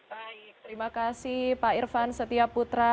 baik terima kasih pak irvan setia putra